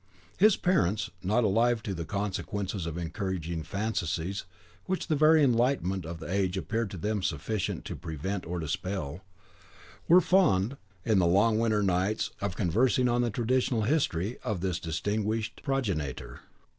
His parents, not alive to the consequences of encouraging fancies which the very enlightenment of the age appeared to them sufficient to prevent or dispel, were fond, in the long winter nights, of conversing on the traditional history of this distinguished progenitor.